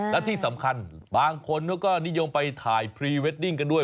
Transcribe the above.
และที่สำคัญบางคนเขาก็นิยมไปถ่ายพรีเวดดิ้งกันด้วย